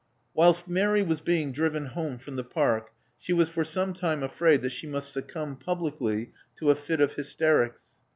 Whilst Mary was being driven home from the park, she was for some time afraid that she must succumb publicly to a fit of hysterics.